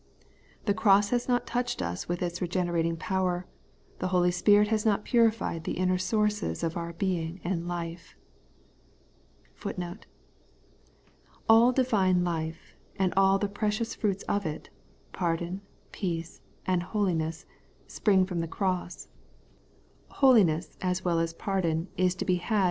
The cross has not touched us with its regenerating power ; the Holy Spirit has not purified the inner sources of our being and life.^ ^* All divine life, and aU the precious fruits of it, pardon, peace, and holiness, spring from the cross. .